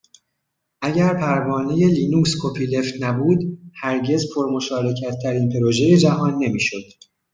اگر پروانه لینوکس کپیلفت نبود هرگز پر مشارکتترین پروژه جهان نمیشد